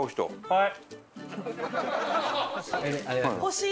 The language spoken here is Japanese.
はい！